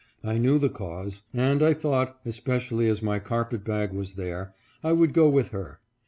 I knew the cause, and I thought, especially as my carpet bag was there, I would go with her.